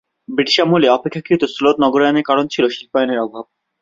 British আমলে অপেক্ষাকৃত শ্লথ নগরায়ণের কারণ ছিল শিল্পায়নের অভাব।